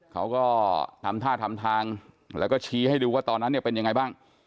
เขาก็ทำท่าทำทางแล้วก็ชี้ให้ดูว่าตอนนั้นเนี่ยเป็นยังไงบ้าง